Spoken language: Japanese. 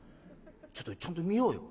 ちょっとちゃんと見ようよ。